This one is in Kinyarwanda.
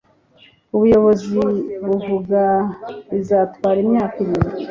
Ubuyobozi buvuga bizatwara imyaka irindwi